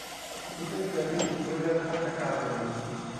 คุณไม่เคยได้ยินเรื่องฆาตกรรมหรือ